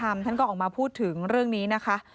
หรือทางนั้นก็ออกมาพูดถึงเรื่องได้นี้มะค่ะ